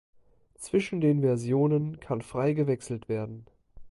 Zwischen den Versionen kann frei gewechselt werden.